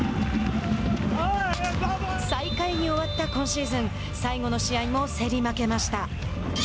最下位に終わった今シーズン最後の試合も競り負けました。